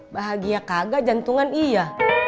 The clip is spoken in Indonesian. bahagia kagak jantungan iya